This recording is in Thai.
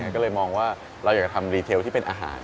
ก็เลยมองว่าเราอยากจะทำรีเทลที่เป็นอาหาร